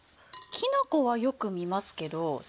きな粉はよく見ますけど先生。